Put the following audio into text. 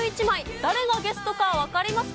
誰がゲストか分かりますか？